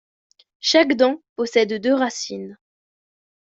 Chaque dent possède deux racines.